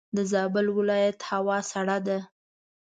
دزابل ولایت هوا سړه ده.